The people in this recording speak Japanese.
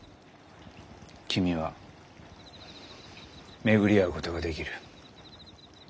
君は巡り会うことができる。